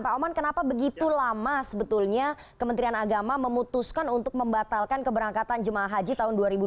pak oman kenapa begitu lama sebetulnya kementerian agama memutuskan untuk membatalkan keberangkatan jemaah haji tahun dua ribu dua puluh